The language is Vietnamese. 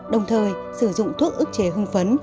đồng thời sử dụng thuốc ức chế hương phấn